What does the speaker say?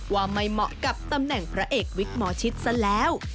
ว่าไม่เหมาะกับตำแหน่งพระเอกวิกหมอชิดซะแล้ว